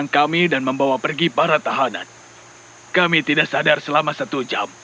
kami tidak sadar selama satu jam